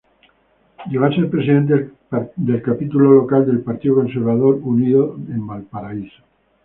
Llegó a ser presidente del capítulo local del Partido Conservador Unido en Valparaíso.